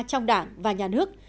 trong đảng và nhà nước